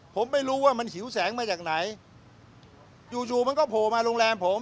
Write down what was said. ผมไม่รู้ว่ามันหิวแสงมาจากไหนจู่จู่มันก็โผล่มาโรงแรมผม